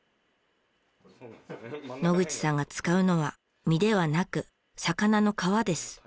野口さんが使うのは身ではなく魚の皮です。